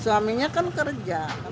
suaminya kan kerja